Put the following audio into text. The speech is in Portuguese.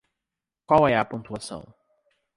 Qual é a pontuação?